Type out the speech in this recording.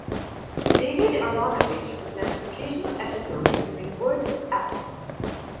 David Aaronovitch presents occasional episodes during Buerk's absence.